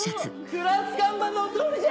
クラス看板のお通りじゃ！